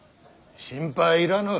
心配いらぬ。